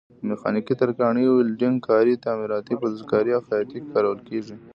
په میخانیکي، ترکاڼۍ، ویلډنګ کارۍ، تعمیراتو، فلزکارۍ او خیاطۍ کې کارول کېږي.